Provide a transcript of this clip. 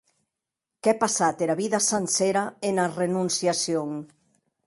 Qu’è passat era vida sancera ena renonciacion!